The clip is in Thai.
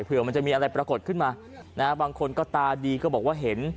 เพื่อมันจะมีอะไรปรากฏขึ้นมานะฮะบางคนก็ตาดีก็บอกว่าเห็น